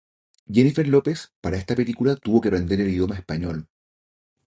Jennifer Lopez para esta película tuvo que aprender el idioma español.